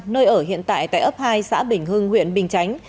nơi ở hiện tại tại ấp hai xã bình hưng huyện bình chánh